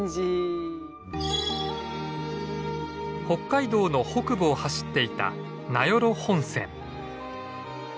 北海道の北部を走っていた名寄本線。